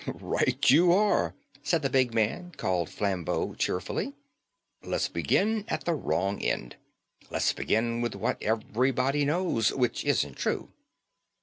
"Right you are," said the big man called Flambeau cheerfully. "Let's begin at the wrong end. Let's begin with what everybody knows, which isn't true."